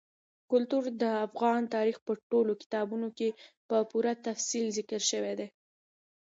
کلتور د افغان تاریخ په ټولو کتابونو کې په پوره تفصیل ذکر شوی دي.